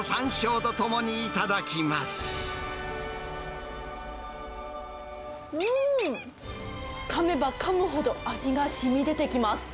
うーん、かめばかむほど、味がしみ出てきます。